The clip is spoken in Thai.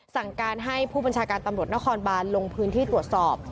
สั่งการให้ผู้บัญชาการตำรวจนครบานลงพื้นที่ตรวจสอบ